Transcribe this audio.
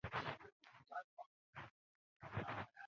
安德鲁瓦河畔圣康坦。